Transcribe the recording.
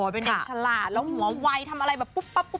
เป็นเด็กฉลาดแล้วหัวไหวทำอะไรแบบปุ๊บ